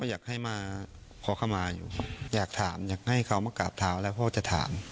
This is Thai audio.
อยากให้มาขอเข้ามาอยู่อยากถามอยากให้เขามากราบเท้าแล้วพ่อจะถาม